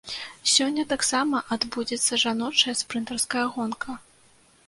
Сёння таксама адбудзецца жаночая спрынтарская гонка.